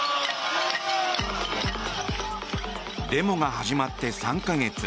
デモが始まって３か月。